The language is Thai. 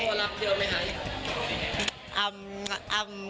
รับเยอะไหมคะ